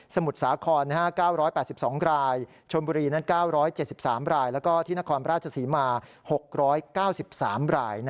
สมุดสาคอน๙๘๒รายชมบุรี๙๗๓รายแล้วก็ที่นครพระราชสีมา๖๙๓ราย